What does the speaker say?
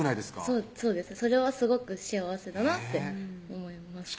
そうですそれはすごく幸せだなって思います